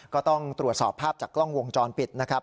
ก็ต้องตรวจสอบภาพจากกล้องวงจรปิดนะครับ